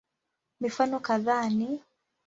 Mifano kadhaa ni